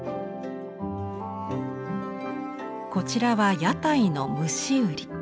こちらは屋台の虫売り。